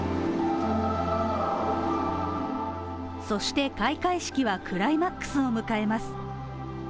そして、開会式はクライマックスを迎えます。